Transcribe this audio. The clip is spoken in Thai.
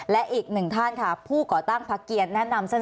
และอีกหนึ่งท่านค่ะผู้ก่อตั้งพักเกียรแนะนำสั้น